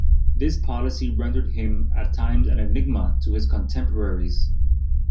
This policy rendered him at times an enigma to his contemporaries.